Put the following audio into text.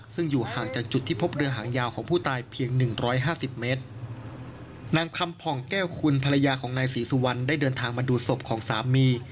ซึ่งอยู่ห่างจากจุดที่พบเรือหางยาวของผู้ตายเพียงหนึ่งร้อยห้าสิบเมตรนางคำผ่องแก้วคุณภรรยาของนายศรีสุวรรณได้เดินทางมาดูศพของสามี